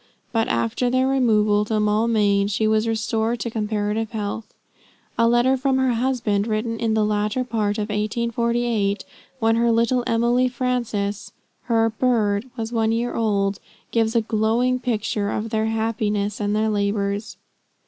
But after their removal to Maulmain, she was restored to comparative health. A letter from her husband, written in the latter part of 1848, when her little Emily Frances, her "bird," was one year old, gives a glowing picture of their happiness and their labors.